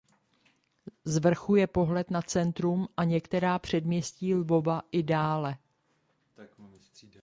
Z vrchu je pohled na centrum a některá předměstí Lvova i dále.